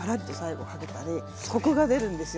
コクが出るんですよ